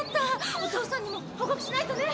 お父さんにも報告しないとね！